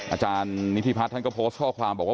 อาจารย์นิธิพัฒน์ท่านก็โพสต์ข้อความบอกว่า